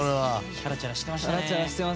チャラチャラしてましたね。